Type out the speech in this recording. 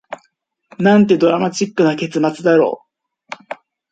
なんてドラマチックな結末だろう